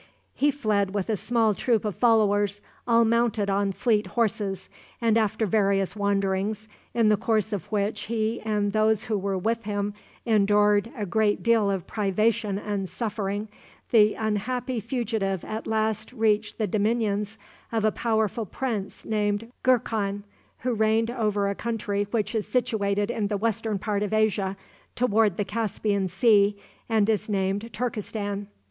He fled with a small troop of followers, all mounted on fleet horses, and after various wanderings, in the course of which he and they who were with him endured a great deal of privation and suffering, the unhappy fugitive at last reached the dominions of a powerful prince named Gurkhan, who reigned over a country which is situated in the western part of Asia, toward the Caspian Sea, and is named Turkestan.